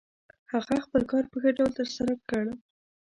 هغه خپل کار په ښه ډول ترسره کړ.